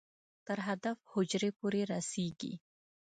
تر هدف حجرې پورې رسېږي.